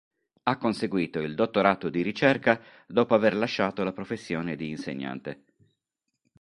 Ha conseguito il dottorato di ricerca dopo aver lasciato la professione di insegnante.